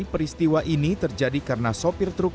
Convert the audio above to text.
peristiwa ini terjadi karena sopir truk